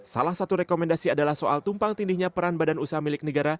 salah satu rekomendasi adalah soal tumpang tindihnya peran badan usaha milik negara